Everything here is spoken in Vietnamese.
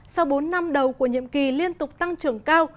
sau bốn năm đầu của nhiệm kỳ liên tục tăng trưởng cao